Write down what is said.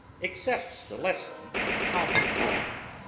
accepts the lesson with calmness